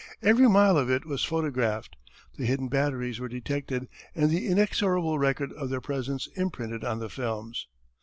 Every mile of it was photographed. The hidden batteries were detected and the inexorable record of their presence imprinted on the films.